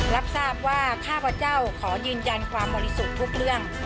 รับทราบว่าข้าพเจ้าขอยืนจันทร์ความมฤตุทุกเรื่อง